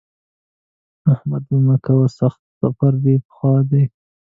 احمده! بد مه کوه؛ سخت سفر دې په خوا دی.